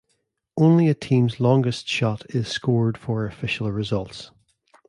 Only a team's longest shot is scored for official results.